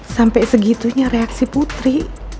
sampe segitunya reaksi putri